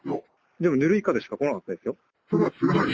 でも、ぬるい風しか来なかったですよ。